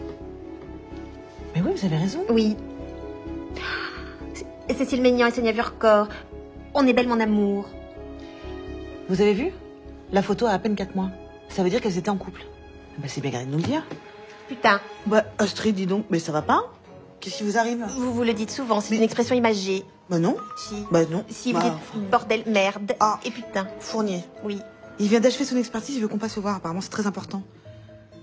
はい。